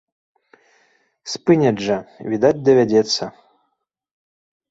Спыняць жа, відаць, давядзецца.